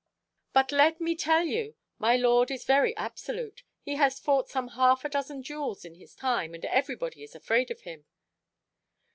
"But let me tell you, my lord is very absolute. He has fought some half a dozen duels in his time, and every body is afraid of him."